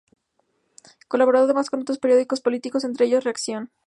Colaboró además en otros periódicos políticos, entre ellos, "Reacción".